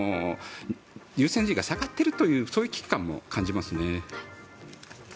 優先順位が下がっているというそういう危機感も感じますね。